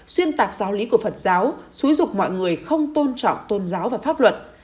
xuyên tạc giáo lý của phật giáo xúi dục mọi người không tôn trọng tôn giáo và pháp luật